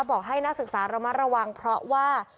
บอกให้นักศึกษาระมัดระวังเพราะว่า